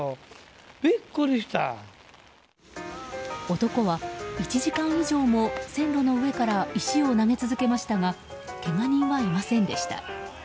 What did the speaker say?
男は１時間以上も線路の上から石を投げ続けましたがけが人はいませんでした。